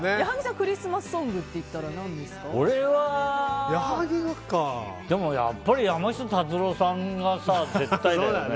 クリスマスソングといったら俺は、やっぱり山下達郎さんが絶対だよね。